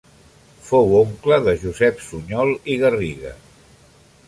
Fou oncle de Josep Sunyol i Garriga.